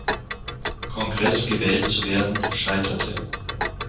Kongress gewählt zu werden, scheiterte.